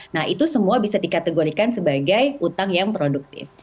nah itu semua bisa dikategorikan sebagai hutang yang produktif